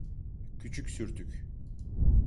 Küçük sürtük.